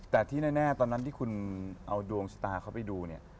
แต่ที่แน่ตอนนั้นที่คุณเอาดวงลูกแหวนมาดูเนี่ย